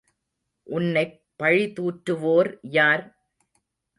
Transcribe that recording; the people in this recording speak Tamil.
உன்னைப் பழிதூற்றுவோர் யார்?